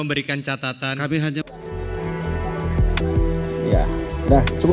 f pertimbangan kerja akademi